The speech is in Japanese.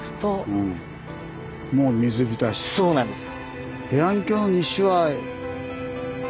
そうなんです。